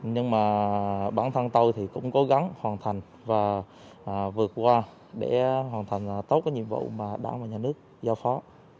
nhưng mà bản thân tôi thì cũng cố gắng hoàn thành và vượt qua để hoàn thành tốt cái nhiệm vụ mà đảng và nhà nước giao phó